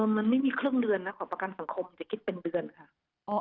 มันไม่มีครึ่งเดือนนะของประกันสังคมจะคิดเป็นเดือนค่ะ